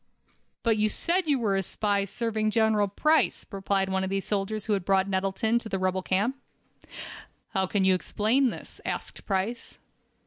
"But you said you were a spy, serving General Price," replied one of the soldiers who had brought Nettleton to the rebel camp. "How can you explain this?" asked Price.